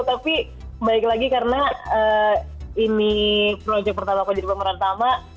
tapi balik lagi karena ini project pertama aku jadi pemeran tama